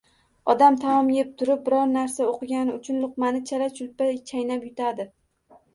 Odam taom yeb turib biron narsa o‘qigani uchun luqmani chala-chulpa chaynab yutadi.